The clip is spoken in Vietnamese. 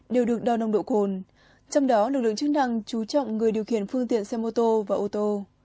đều được đo nồng độ cồn trong đó lực lượng chức năng chú trọng người điều khiển phương tiện xe mô tô và ô tô